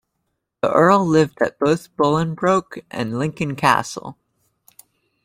The Earl lived at both Bolingbroke and Lincoln Castle.